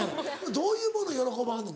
どういうもの喜ばはんの？